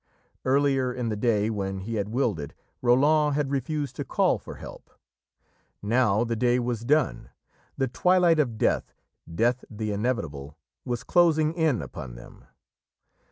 Earlier in the day, when he had willed it, Roland had refused to call for help. Now the day was done. The twilight of death Death the inevitable was closing in upon them.